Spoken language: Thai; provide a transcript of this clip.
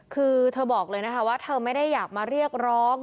คือเธอบอกเลยนะคะว่าเธอไม่ได้อยากมาเรียกร้อง